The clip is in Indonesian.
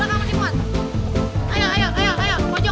belakang masih muat